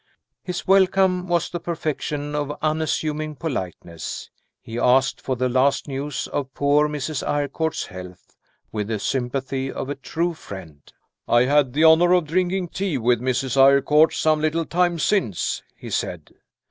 His welcome was the perfection of unassuming politeness. He asked for the last news of "poor Mrs. Eyrecourt's health," with the sympathy of a true friend. "I had the honor of drinking tea with Mrs. Eyrecourt, some little time since," he said.